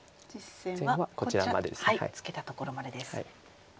実戦はツケたところまでです。